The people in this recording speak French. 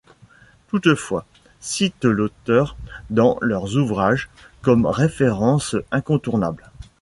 Toutefois, citent l'auteur dans leurs ouvrages comme référence incontournable.